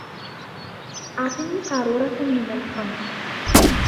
أعطني قارورة من الخمر.